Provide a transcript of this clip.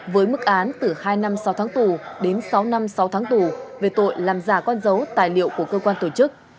với mức án từ hai năm sáu tháng tù đến sáu năm sáu tháng tù về tội làm giả con dấu tài liệu của cơ quan tổ chức